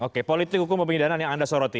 oke politik hukum pemindahan yang anda soroti